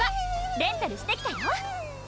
レンタルしてきたよ